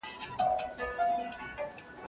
پاکه جامه د پاک نیت نښه وي خو د هر چا نه.